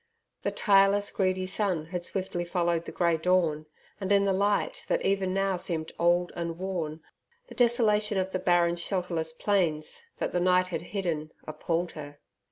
The tireless, greedy sun had swiftly followed the grey dawn, and in the light that even now seemed old and worn, the desolation of the barren shelterless plains, that the night had hidden, appalled her.